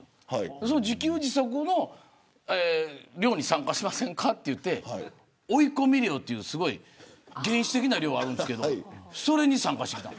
その自給自足の漁に参加しませんかといって追い込み漁というすごく原始的な漁があるんですけどそれに参加してきた。